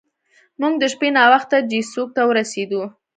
موږ د شپې ناوخته چیسوک ته ورسیدو.